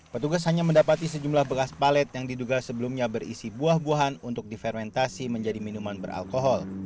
petugas hanya mendapati sejumlah bekas palet yang diduga sebelumnya berisi buah buahan untuk difermentasi menjadi minuman beralkohol